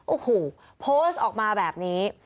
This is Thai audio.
โอ้โหโพสต์ออกมาแบบนี้